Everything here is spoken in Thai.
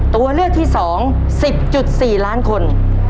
ตัวเลือกที่๒๑๐๔ล้านคน